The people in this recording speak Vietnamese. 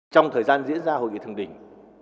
trong thời gian diễn ra hội nghị thường đỉnh